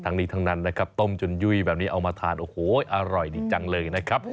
นี้ทั้งนั้นนะครับต้มจนยุ่ยแบบนี้เอามาทานโอ้โหอร่อยดีจังเลยนะครับ